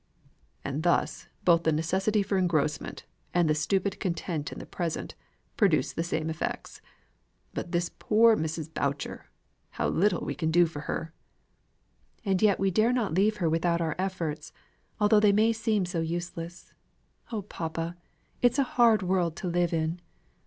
"And thus both the necessity for engrossment, and the stupid content in the present, produce the same effects. But this poor Mrs. Boucher! how little we can do for her." "And yet we dare not leave her without our efforts, although they may seem so useless. Oh papa! it's a hard world to live in!"